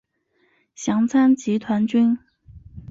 详参集团军。